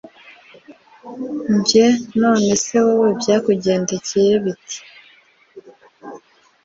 Njye none se wowe byakugendekeye bite